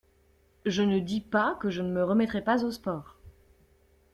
Je ne dis pas que je ne me remettrai pas au sport.